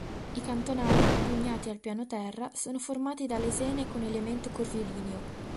I cantonali, bugnati al piano terra, sono formati da lesene con elemento curvilineo.